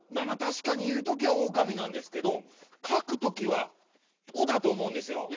まあたしかにいうときは「おうかみ」なんですけどかくときは「お」だとおもうんですよ。